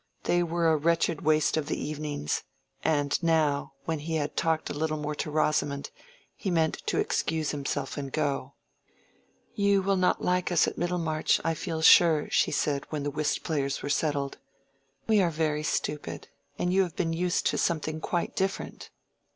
They were a wretched waste of the evenings; and now, when he had talked a little more to Rosamond, he meant to excuse himself and go. "You will not like us at Middlemarch, I feel sure," she said, when the whist players were settled. "We are very stupid, and you have been used to something quite different."